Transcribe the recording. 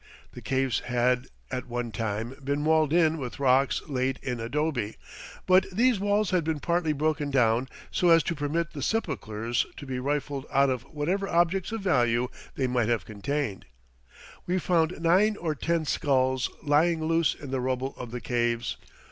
The caves had at one time been walled in with rocks laid in adobe, but these walls had been partly broken down so as to permit the sepulchers to be rifled of whatever objects of value they might have contained. We found nine or ten skulls lying loose in the rubble of the caves.